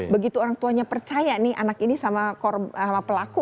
begitu orang tuanya percaya nih anak ini sama pelaku